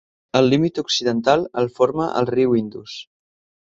El límit occidental el forma el riu Indus.